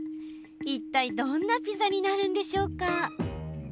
いったい、どんなピザになるんでしょうか？